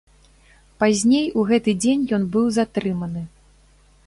Пазней у гэты дзень ён быў затрыманы.